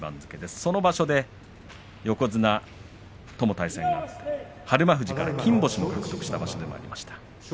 その場所で横綱との対戦があって日馬富士から金星を獲得した場所でもありました。